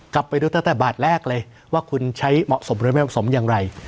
กลับไปดูตั้งแต่บาทแรกเลยว่าคุณใช้เหมาะสมหรือไม่เหมาะสมอย่างไร